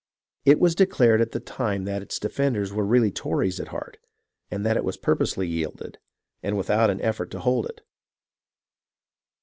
It was declared at the time that its defenders were really Tories at heart, and that it was purposely yielded, and without an effort to hold it.